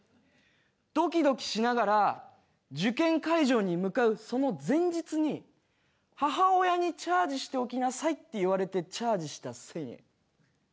ドキドキしながら受験会場に向かうその前日に母親に「チャージしておきなさい」って言われてチャージした１０００円。